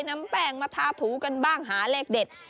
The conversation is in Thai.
นำแป้งมาทาถูกันบ้างหาเลขเด็ด